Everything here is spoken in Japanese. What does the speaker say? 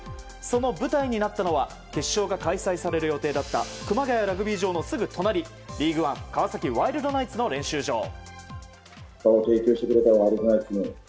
その舞台になったのは決勝が開催される予定だった熊谷ラグビー場のすぐ隣リーグワンワイルドナイツの練習場。